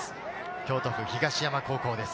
京都府東山高校です。